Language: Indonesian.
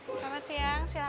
selamat siang silakan